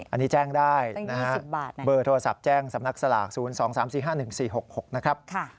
อันนี้แจ้งได้นะฮะเบอร์โทรศัพท์แจ้งสำนักสลาก๐๒๓๔๕๑๔๖๖นะครับ